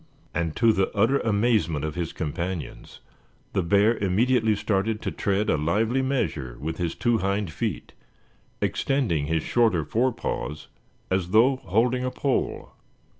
And to the utter amazement of his companions the bear immediately started to tread a lively measure with his two hind feet, extending his shorter forepaws as though holding a pole.